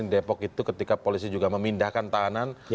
depok itu ketika polisi juga memindahkan tahanan